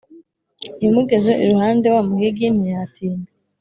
imugeze iruhande wa muhigi ntiyatinya,